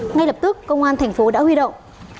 ngay lập tức công an thành phố đã huy động